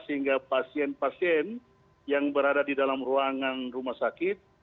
sehingga pasien pasien yang berada di dalam ruangan rumah sakit